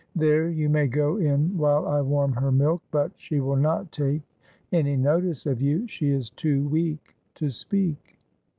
"There, you may go in while I warm her milk, but she will not take any notice of you. She is too weak to speak."